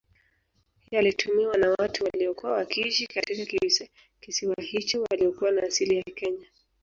Yalitumiwa na watu waliokuwa wakiishi katika kisiwa hicho waliokuwa na asili ya Kenya